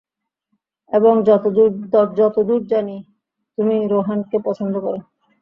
এবং যতদুর আমি জানি, তুমি রোহানকে পছন্দ করো।